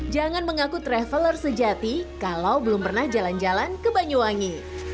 jangan mengaku traveler sejati kalau belum pernah jalan jalan ke banyuwangi